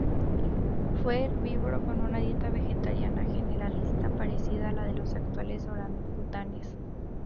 Fue herbívoro, con una dieta vegetariana generalista, parecida a la de los actuales orangutanes.